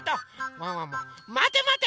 ワンワンもまてまて！